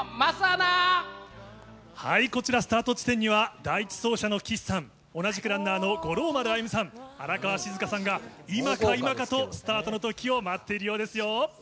こちら、スタート地点には、第１走者の岸さん、同じくランナーの五郎丸歩さん、荒川静香さんが、今か今かとスタートの時を待っているようですよ。